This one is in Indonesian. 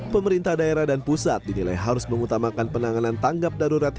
pemerintah daerah dan pusat dinilai harus mengutamakan penanganan tanggap darurat